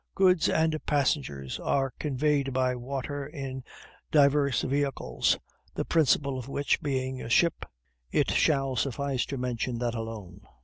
Goods and passengers are conveyed by water in divers vehicles, the principal of which being a ship, it shall suffice to mention that alone.